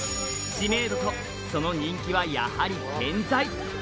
知名度とその人気はやはり健